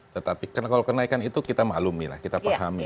tetapi kalau kenaikan itu kita maklumi lah kita pahami